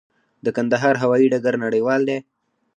د کندهار هوايي ډګر نړیوال دی؟